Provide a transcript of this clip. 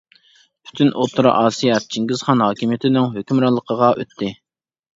پۈتۈن ئوتتۇرا ئاسىيا چىڭگىزخان ھاكىمىيىتىنىڭ ھۆكۈمرانلىقىغا ئۆتتى.